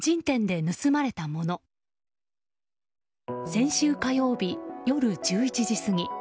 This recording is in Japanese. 先週火曜日、夜１１時過ぎ。